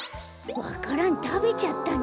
わか蘭たべちゃったのか。